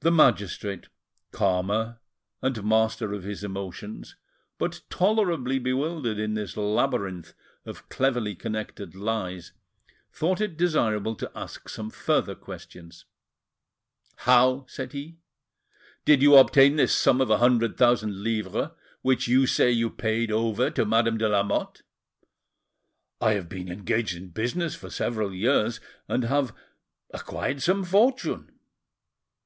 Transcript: The magistrate, calmer, and master of his emotions, but tolerably bewildered in this labyrinth of cleverly connected lies, thought it desirable to ask some further questions. "How," said he, "did you obtain this sum of a hundred thousand livres which you say you paid over to Madame de Lamotte?" "I have been engaged in business for several years, and have acquired some fortune."